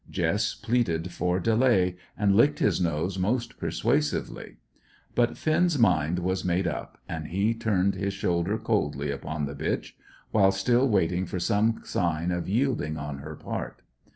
Jess pleaded for delay, and licked his nose most persuasively. But Finn's mind was made up, and he turned his shoulder coldly upon the bitch, while still waiting for some sign of yielding on her part.